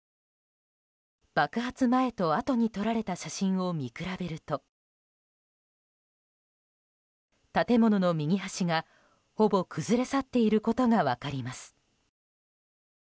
爆発前と、あとに撮られた写真を見比べると建物の右端がほぼ崩れ去っていることが分かります。